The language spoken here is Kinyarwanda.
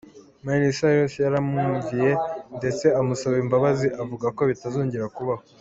Miley Cyrus yaramwumviye ndetse amusaba imbabazi avuga ko bitazongera kubaho.